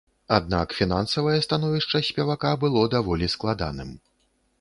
Аднак фінансавае становішча спевака было даволі складаным.